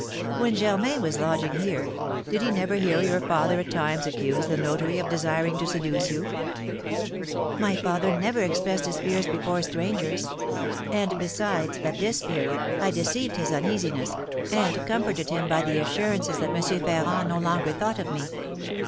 "When Germain was lodging here, did he never hear your father at times accuse the notary of desiring to seduce you?" "My father never expressed his fears before strangers; and besides, at this period, I deceived his uneasiness, and comforted him by the assurances that M. Ferrand no longer thought of me.